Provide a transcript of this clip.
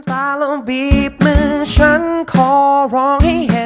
ส้มตาลงบีบมือฉันขอร้องให้เห็น